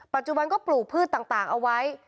ปัจจุบันก็ปลูกพืชต่างเอาไว้